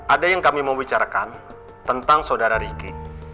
ada yang kami mau bicarakan tentang saudara riki